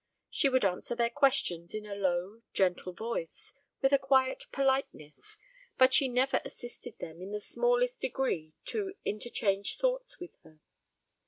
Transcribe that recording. She would answer their questions in a low gentle voice, with a quiet politeness; but she never assisted them in the smallest degree to interchange thoughts with her.